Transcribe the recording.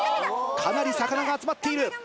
かなり魚が集まっている。